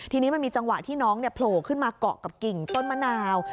ทีนี้มันมีจังหวะที่น้องโผล่ขึ้นมาเกาะกับกิ่งต้นมะนาว